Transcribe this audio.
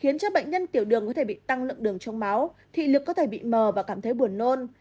khiến cho bệnh nhân tiểu đường có thể bị tăng lượng đường trong máu thị lực có thể bị mờ và cảm thấy buồn nôn